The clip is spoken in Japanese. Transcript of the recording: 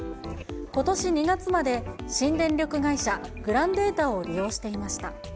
ことし２月まで新電力会社、グランデータを利用していました。